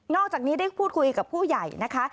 อกจากนี้ได้พูดคุยกับผู้ใหญ่นะคะ